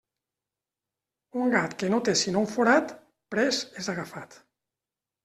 Un gat que no té sinó un forat, prest és agafat.